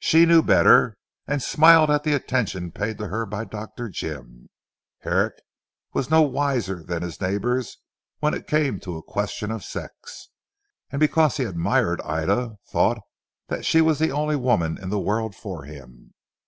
She knew better and smiled at the attentions paid to her by Dr. Jim. Herrick was no wiser than his neighbours when it came to a question of sex, and because he admired Ida thought that she was the only woman in the world for him.